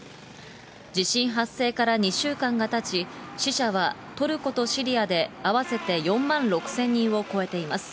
地震発生から２週間がたち、死者はトルコとシリアで合わせて４万６０００人を超えています。